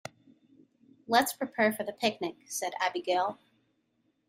"Let's prepare for the picnic!", said Abigail.